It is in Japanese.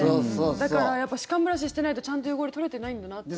だから歯間ブラシしてないとちゃんと汚れ取れてないんだなって。